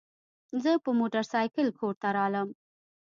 زه پر موترسایکل کور ته رالم.